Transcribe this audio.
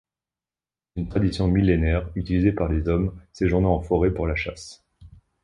C’est une tradition millénaire utilisée par les hommes séjournant en forêt pour la chasse.